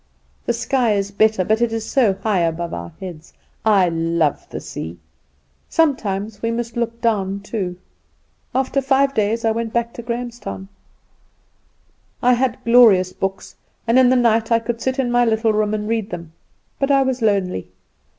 The sky is better, but it is so high above our heads. I love the sea. Sometimes we must look down too. After five days I went back to Grahamstown. "I had glorious books, and in the night I could sit in my little room and read them; but I was lonely.